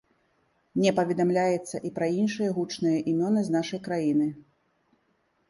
Не паведамляецца і пра іншыя гучныя імёны з нашай краіны.